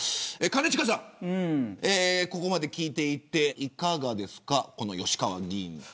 兼近さん、ここまで聞いていていかがですか、吉川議員。